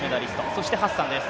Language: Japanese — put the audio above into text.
そしてハッサンです。